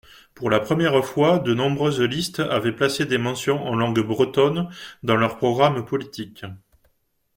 Pour la première fois, de nombreuses listes avaient placé des mentions en langue bretonne dans leurs programmes politiques.